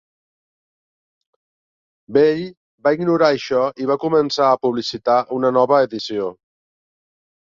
Bell va ignorar això i va començar a publicitar una "nova edició".